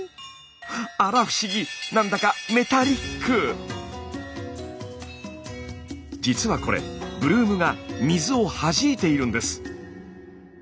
あら不思議何だかじつはこれブルームが水をはじいているんです。